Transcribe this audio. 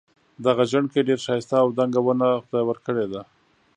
دغه ژڼکی ډېر ښایسته او دنګه ونه خدای ورکړي ده.